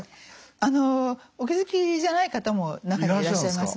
あのお気付きじゃない方も中にはいらっしゃいますね。